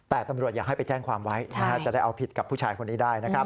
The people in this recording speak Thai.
แต่ตำรวจอยากให้ไปแจ้งความไว้จะได้เอาผิดกับผู้ชายคนนี้ได้นะครับ